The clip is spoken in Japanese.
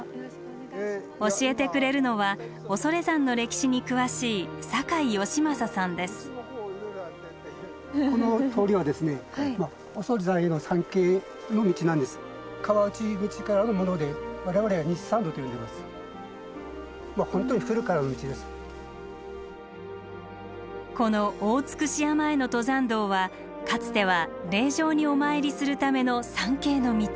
教えてくれるのは恐山の歴史に詳しいこの大尽山への登山道はかつては霊場にお参りするための参詣の道。